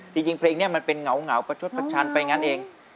จริงเพลงนี้มันเป็นเหงาประชดประชันไปงั้นเอง